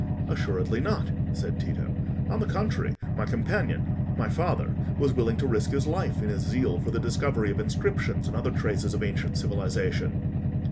"Assuredly not," said Tito. "On the contrary, my companion—my father—was willing to risk his life in his zeal for the discovery of inscriptions and other traces of ancient civilisation."